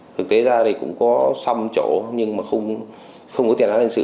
thực tế ra thì cũng có xăm chỗ nhưng mà không có tiền án dân sự